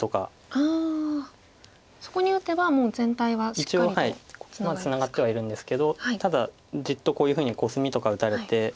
一応ツナがってはいるんですけどただじっとこういうふうにコスミとか打たれて。